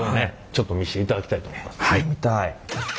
ちょっと見していただきたいと思います。